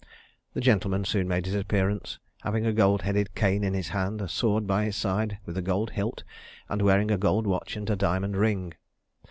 The gentleman soon made his appearance, having a gold headed cane in his hand, a sword by his side with a gold hilt, and wearing a gold watch and a diamond ring.